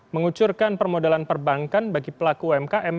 mengucurkan permodalan perbankan bagi pelaku umkm